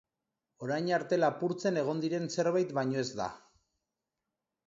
Orain arte lapurtzen egon diren zerbait baino ez da.